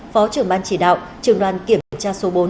phó trưởng ban chỉ đạo trường đoàn kiểm tra số bốn